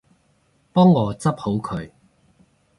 幫我執好佢